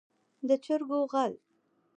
د چرګو غل.